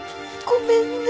ごめんね。